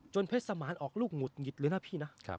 จนเพศนาออกลูกหงุดหงิดหรือน้าพี่นะ